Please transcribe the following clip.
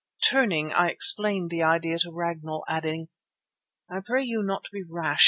Turning, I explained the idea to Ragnall, adding: "I pray you not to be rash.